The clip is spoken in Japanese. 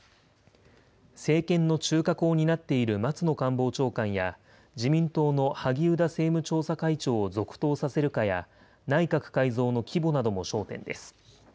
政権の中核を担っている松野官房長官や、自民党の萩生田政務調査会長を続投させるかや、内閣改造の規模なども焦点です。